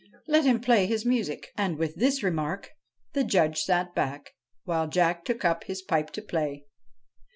Let him play his music.' And, with this remark, the Judge sat back, while Jack took up his pipe to play.